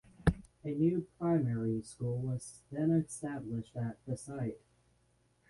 A new primary school was then established at the site.